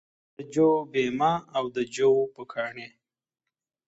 د جو بیمه او د جو پوکاڼې